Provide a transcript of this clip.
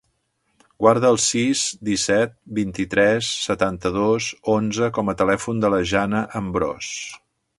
Guarda el sis, disset, vint-i-tres, setanta-dos, onze com a telèfon de la Jana Ambros.